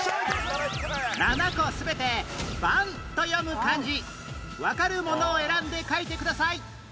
７個全て「ばん」と読む漢字わかるものを選んで書いてください